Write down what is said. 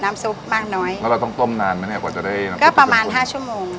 ซุปมากน้อยแล้วเราต้องต้มนานไหมเนี่ยกว่าจะได้น้ำก็ประมาณห้าชั่วโมง